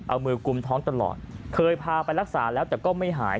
เอามือกุมท้องตลอดเคยพาไปรักษาแล้วแต่ก็ไม่หาย